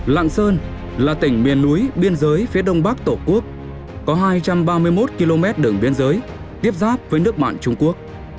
lạng sơn là tỉnh miền núi biên giới phía đông bắc tổ quốc có hai trăm ba mươi một km đường biên giới tiếp giáp với nước mạng trung quốc